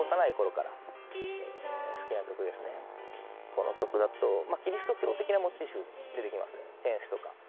この曲だとキリスト教的なモチーフ出てきますね天使とか。